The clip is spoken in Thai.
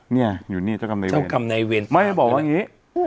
เนี่ยอยู่นี้เจ้าคำในเวนไม่บอกว่างี้